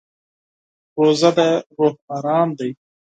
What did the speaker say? روژه د روح ارام دی.